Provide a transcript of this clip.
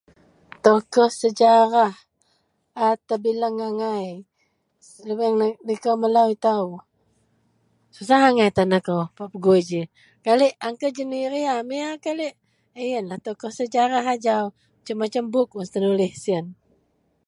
Tokoh sejarah a tebilangan angai dagen liko melo ito, susah angai tan akou bak pegui ji, kaliek uncle Jeniri Amir kaliek. Iyen a tokoh sejarah ajau masem-masem buk tenulih siyen.